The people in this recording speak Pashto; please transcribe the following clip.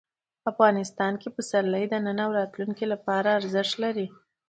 افغانستان کې پسرلی د نن او راتلونکي لپاره ارزښت لري.